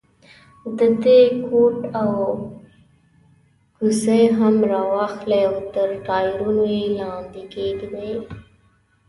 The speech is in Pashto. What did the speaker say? د ده کوټ او کوسۍ هم را واخلئ او تر ټایرونو یې لاندې کېږدئ.